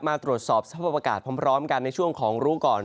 มาตรวจสอบสภาพอากาศพร้อมกันในช่วงของรู้ก่อน